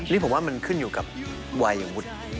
นี่ผมว่ามันขึ้นอยู่กับวัยวุฒิ